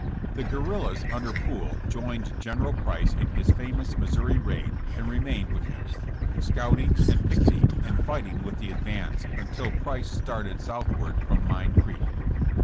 The guerrillas under Poole joined General Price in his famous Missouri raid and remained with him, scouting and picketing and fighting with the advance until Price started Southward from Mine Creek.